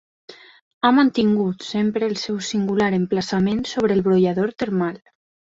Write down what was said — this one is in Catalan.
Ha mantingut sempre el seu singular emplaçament sobre el brollador termal.